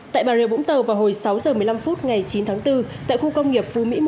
tại bà rịa vũng tàu vào hồi sáu h một mươi năm phút ngày chín tháng bốn tại khu công nghiệp phú mỹ một